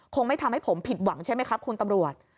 คงไม่ทำให้ผมผิดหวังใช่ไหมครับคุณตำรวจ